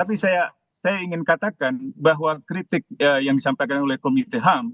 tapi saya ingin katakan bahwa kritik yang disampaikan oleh komite ham